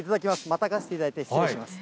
またがせていただいて、失礼します。